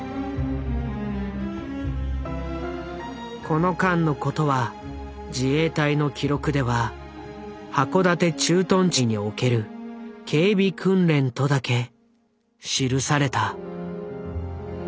この間のことは自衛隊の記録では函館駐屯地における警備訓練とだけ記された。